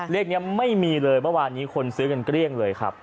เลขนี้ไม่มีเลยเมื่อวานนี้คนซื้อกันเกลี้ยงเลยครับ